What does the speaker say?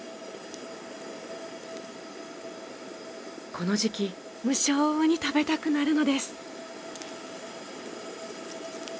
この時期無性に食べたくなるのです！